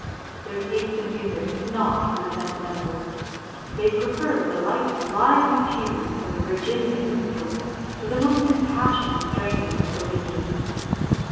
Their taste in music is not for the sentimental; they prefer the light, lively tunes of the Virginian minstrels to the most impassioned strains of Bellini.